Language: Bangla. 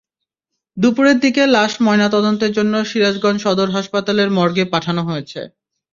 দুপুরের দিকে লাশ ময়নাতদন্তের জন্য সিরাজগঞ্জ সদর হাসপতালের মর্গে পাঠানো হয়েছে।